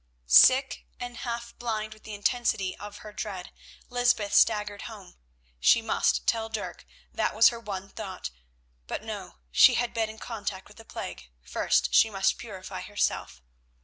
Sick and half blind with the intensity of her dread, Lysbeth staggered home. She must tell Dirk, that was her one thought; but no, she had been in contact with the plague, first she must purify herself.